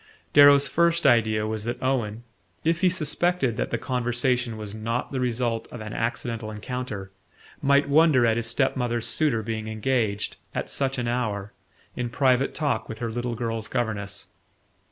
Darrow's first idea was that Owen, if he suspected that the conversation was not the result of an accidental encounter, might wonder at his step mother's suitor being engaged, at such an hour, in private talk with her little girl's governess.